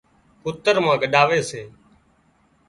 ڪُتر مان ڳڏاوي سي